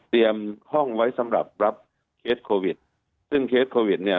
ห้องไว้สำหรับรับเคสโควิดซึ่งเคสโควิดเนี่ย